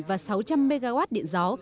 và sáu trăm linh mw điện gió